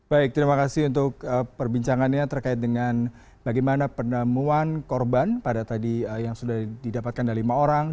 baik terima kasih untuk perbincangannya terkait dengan bagaimana penemuan korban pada tadi yang sudah didapatkan dari lima orang